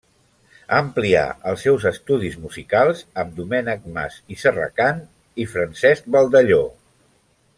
Amplià els seus estudis musicals amb Domènec Mas i Serracant i Francesc Baldelló.